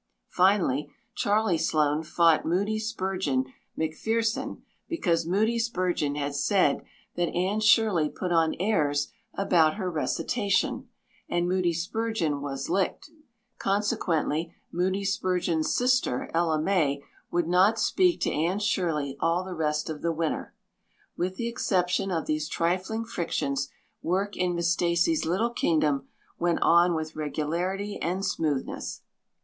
Finally, Charlie Sloane fought Moody Spurgeon MacPherson, because Moody Spurgeon had said that Anne Shirley put on airs about her recitations, and Moody Spurgeon was "licked"; consequently Moody Spurgeon's sister, Ella May, would not "speak" to Anne Shirley all the rest of the winter. With the exception of these trifling frictions, work in Miss Stacy's little kingdom went on with regularity and smoothness.